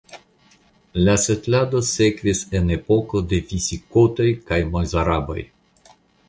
La setlado sekvis en epoko de visigotoj kaj mozaraboj.